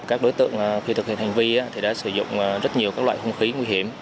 các đối tượng khi thực hiện hành vi đã sử dụng rất nhiều các loại không khí nguy hiểm